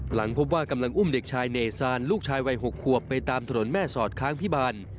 หลังพบว่ากำลังอุ้มเด็กชายเนซานลูกชายวัย๖ขวบไปตามถนนแม่สอดค้างพิบาล